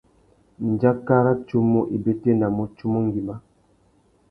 Ndjaka râ tsumu i bétēnamú tsumu ngüimá.